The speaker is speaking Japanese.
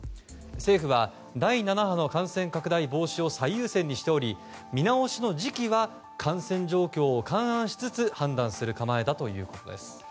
政府は第７波の感染拡大防止を最優先にしており見直しの時期は感染状況を勘案しつつ判断する構えだということです。